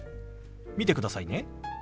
見てくださいね。